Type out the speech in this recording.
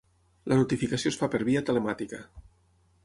La notificació es fa per via telemàtica.